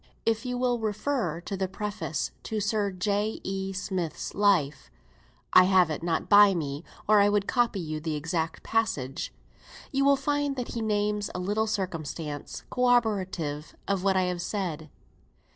If you will refer to the preface to Sir J. E. Smith's Life (I have it not by me, or I would copy you the exact passage), you will find that he names a little circumstance corroborative of what I have said.